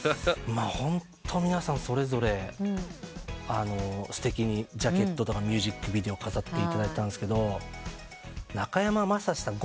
ホント皆さんそれぞれすてきにジャケットとかミュージックビデオ飾っていただいたんですが中山雅史さん。